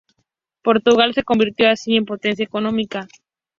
Portugal se convirtió así en potencia económica.